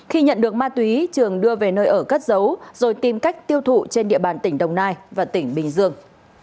khi nhận được ma túy trường đưa về nơi ở cất giấu rồi tìm cách tiêu thụ trên địa bàn tỉnh đồng nai và tỉnh bình dương